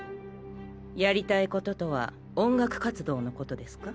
やりたいこととは音楽活動のことですか？